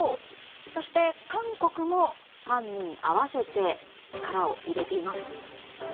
そして韓国も官民合わせて力を入れています。